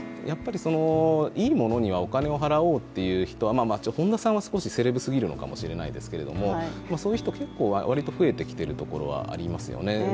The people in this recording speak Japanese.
いいものにはお金を払おうという人は、本田さんは少しセレブすぎるのかもしれませんが、そういう人は割と増えてきている印象がありますよね。